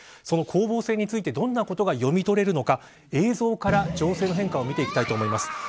その攻防戦についてどんなことが読み取れるのか映像から情勢の変化を見ていきたいと思います。